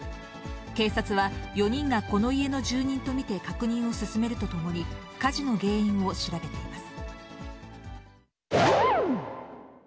警察は４人がこの家の住人と見て確認を進めるとともに、火事の原因を調べています。